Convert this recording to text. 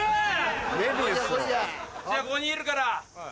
じゃあ５人いるから。